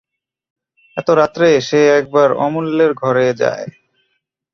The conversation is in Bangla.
এত রাত্রে সে একবার অমূল্যের ঘরে যায়।